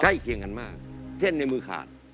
เส้นในมือขาด